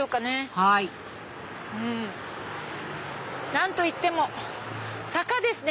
はい何といっても坂ですね！